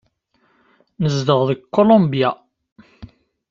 Nezdeɣ deg Kulumbya.